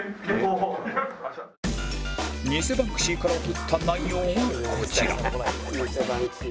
偽バンクシーから送った内容はこちら